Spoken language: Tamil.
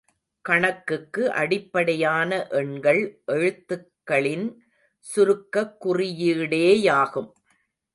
கணக்குக்கு அடிப்படையான எண்கள் எழுத்துக்களின் சுருக்கக் குறியீடேயாகும்.